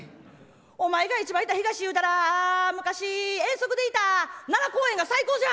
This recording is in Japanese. お前が一番行った東言うたら昔遠足で行った奈良公園が最高じゃ！